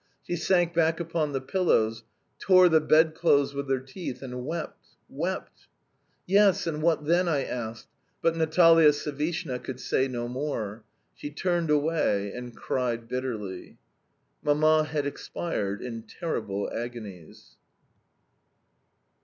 She sank back upon the pillows, tore the bedclothes with her teeth, and wept wept " "Yes and what then?" I asked but Natalia Savishna could say no more. She turned away and cried bitterly. Mamma had expired in terrible agonies.